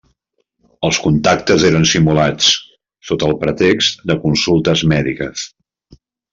Els contactes eren simulats sota el pretext de consultes mèdiques.